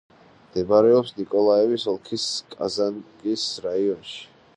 მდებარეობს ნიკოლაევის ოლქის კაზანკის რაიონში.